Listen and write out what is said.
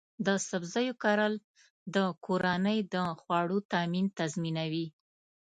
د سبزیو کرل د کورنۍ د خوړو تامین تضمینوي.